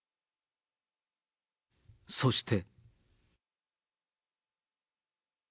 そして。